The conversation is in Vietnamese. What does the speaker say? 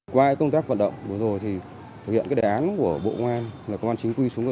qua công tác vận động vừa rồi thì thực hiện cái đề án của bộ ngoan là công an chính quy xuống cơ